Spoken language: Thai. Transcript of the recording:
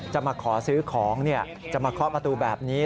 จะมาขอซื้อของจะมาเคาะประตูแบบนี้